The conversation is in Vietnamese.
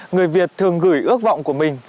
người việt thường gửi ước vọng của mình